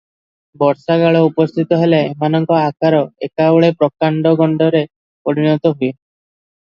ବର୍ଷାକାଳ ଉପସ୍ଥିତ ହେଲେ ଏମାନଙ୍କ ଅକାର ଏକାବେଳକେ ପ୍ରକାଣ୍ଡ, ଗଣ୍ଡରେ ପରିଣତ ହୁଏ ।